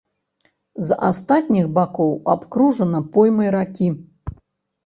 З астатніх бакоў абкружана поймай ракі.